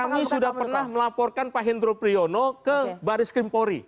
kami sudah pernah melaporkan pak hendro priyono ke baris krimpori